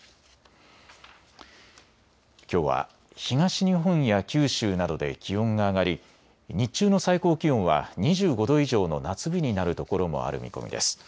きょうは東日本や九州などで気温が上がり日中の最高気温は２５度以上の夏日になるところもある見込みです。